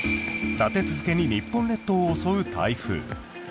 立て続けに日本列島を襲う台風。